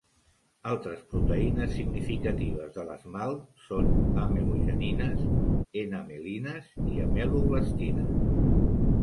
Altres proteïnes significatives de l'esmalt son amelogenines, enamelines i ameloblastines.